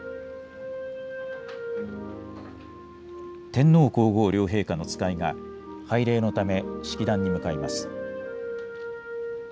天皇皇后両陛下の使いが、拝礼のため、式壇に向かいます。